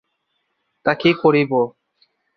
তা কী করিব!